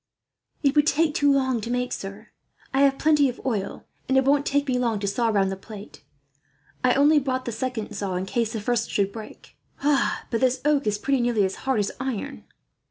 "It would take too long to make, sir. I have plenty of oil, and it won't take me long to saw round the plate. I only brought the second saw in case the first should break. But this oak is pretty nearly as hard as iron."